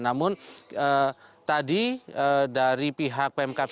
namun tadi dari pihak pemkap